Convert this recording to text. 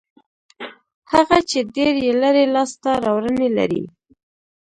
هغه چې ډېر یې لري لاسته راوړنې لري.